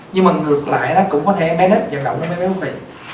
nhưng mà ngược lại đó cũng có thể em bé nếp vận động nó béo phì